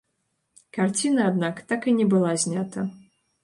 Карціна, аднак, так і не была знята.